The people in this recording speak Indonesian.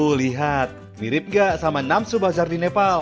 tuh lihat mirip gak sama namsu bazar di nepal